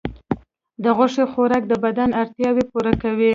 د غوښې خوراک د بدن اړتیاوې پوره کوي.